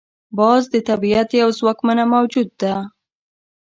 باز د طبیعت یو ځواکمنه موجود ده